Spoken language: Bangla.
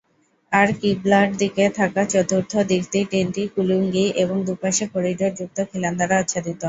আর "কিবলা"র দিকে থাকা চতুর্থ দিকটি তিনটি কুলুঙ্গি এবং দুপাশে করিডোর যুক্ত খিলান দ্বারা আচ্ছাদিত।